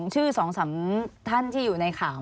ชื่อ๒๓ท่านที่อยู่ในข่าว